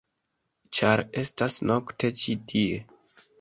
-ĉar estas nokte ĉi tie-.